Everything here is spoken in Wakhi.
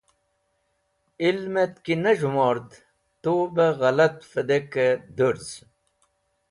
Ilmet̃ ki ne z̃hemord tub ghelat vẽdekẽ dũrz.